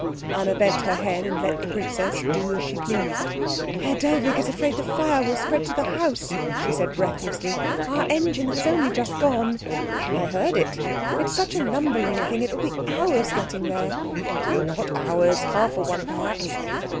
Anna bent her head and let the princess do as she pleased. "Herr Dellwig is afraid the fire will spread to the house," she said breathlessly. "Our engine has only just gone " "I heard it." "It is such a lumbering thing, it will be hours getting there " "Oh, not hours. Half a one, perhaps."